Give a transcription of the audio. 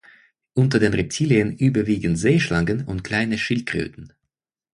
Unter den Reptilien überwiegen Seeschlangen und kleine Schildkröten.